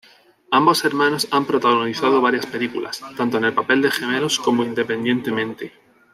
Ambos hermanos han protagonizado varias películas, tanto en el papel de gemelos como independientemente.